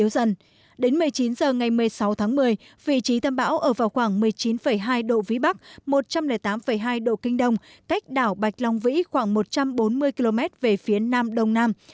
đến một mươi chín h ngày một mươi sáu tháng một mươi vị trí tâm bão ở vào khoảng một mươi chín hai độ vĩ bắc một trăm linh tám hai độ kinh đông cách đảo bạch long vĩ khoảng một trăm bốn mươi km về phía nam đông nam